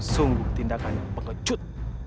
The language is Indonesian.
sungguh tindakan yang pengecut